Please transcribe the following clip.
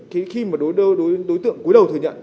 khi mà đối tượng cuối đầu thừa nhận